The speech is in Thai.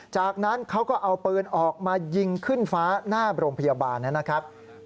จากนั้นเขาก็เอาปืนออกมายิงขึ้นฟ้าหน้าโรงพยาบาลนะครับ